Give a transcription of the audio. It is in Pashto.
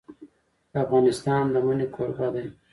افغانستان د منی کوربه دی.